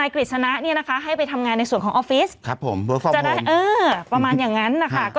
ครับผมมาก